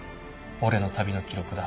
「俺の旅の記録だ」